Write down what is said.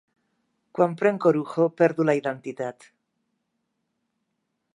Quan prenc orujo perdo la identitat.